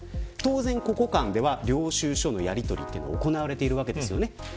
この間では、当然領収書のやりとりが行われているわけです。